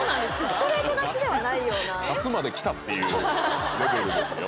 ストレート勝ちではないような勝つまで来たっていうレベルですよ